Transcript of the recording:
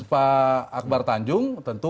pak akbar tanjung tentu